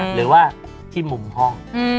หรือว่าที่มุมห้อง